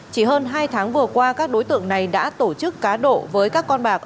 chỉ hơn hai tháng vừa qua các đối tượng này đã tổ chức cá độ với các con bạc